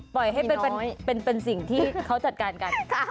ปล่อยให้เป็นสิ่งที่เขาจัดการกัน